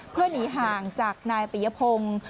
เพื่อหนีห่างจากนายปิยพงศ์